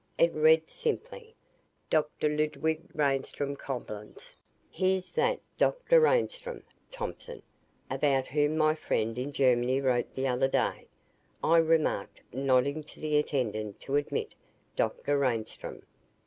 It read simply, "Dr. Ludwig Reinstrom, Coblenz." "Here's that Dr. Reinstrom, Thompson, about whom my friend in Germany wrote the other day," I remarked, nodding to the attendant to admit Dr. Reinstrom.